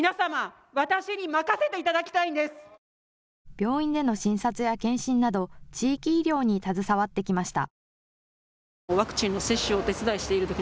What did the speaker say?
病院での診察や検診など、地域医療に携わってきました。